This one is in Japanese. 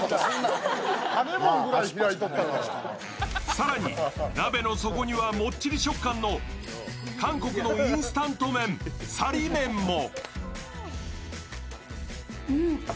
更に鍋の底には、もっちり食感の韓国のインスタント麺、サリ麺も。